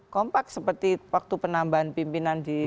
kompak seperti waktu penambahan pimpinan di